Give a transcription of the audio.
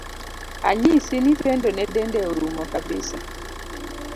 Anyisi ni Pendo ne dende orumo kabisa.